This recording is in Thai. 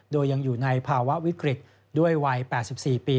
โดยยังอยู่ในภาวะวิกฤตด้วยวัย๘๔ปี